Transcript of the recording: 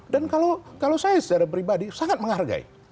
dan kalau saya secara pribadi sangat menghargai